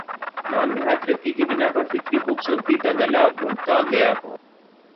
نام نہاد ترقی کی بنا پر فطری خوبصورتی کا گلا گھونٹتا گیا